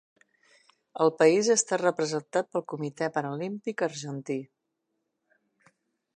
El país està representat pel Comitè Paralímpic Argentí.